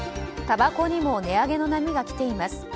たばこにも値上げの波が来ています。